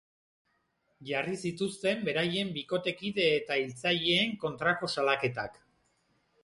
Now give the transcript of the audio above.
Jarri zituzten beraien bikotekide eta hiltzaileen kontrako salaketak.